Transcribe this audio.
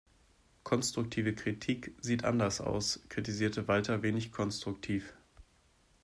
Konstruktive Kritik sieht anders aus, kritisierte Walter wenig konstruktiv.